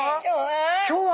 今日は？